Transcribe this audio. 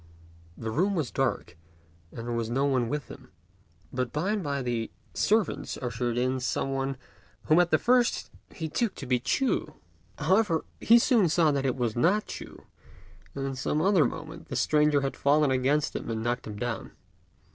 The room was dark, and there was no one with him; but by and by the servants ushered in some one whom at first he took to be Ch'u. However, he soon saw that it was not Ch'u, and in another moment the stranger had fallen against him and knocked him down.